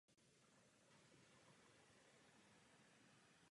Jan měl dvě manželky.